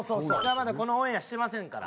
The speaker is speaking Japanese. まだこのオンエアしてませんから。